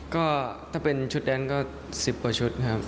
ก็ถ้าเป็นชุดแดนก็๑๐กว่าชุดครับ